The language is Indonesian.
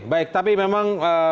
baik tapi memang